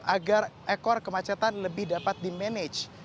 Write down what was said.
agar ekor kemacetan lebih dapat dimanage